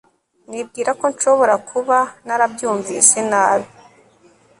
Nibwira ko nshobora kuba narabyumvise nabi